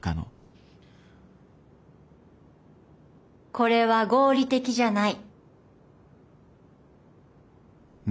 これは合理的じゃない。